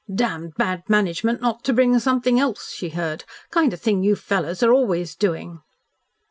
"Damned bad management not to bring something else," she heard. "Kind of thing you fellows are always doing."